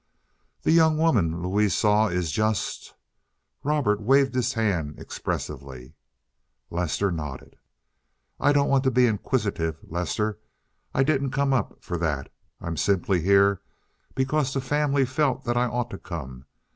"The young woman Louise saw is just—" Robert waved his hand expressively. Lester nodded. "I don't want to be inquisitive, Lester. I didn't come up for that. I'm simply here because the family felt that I ought to come.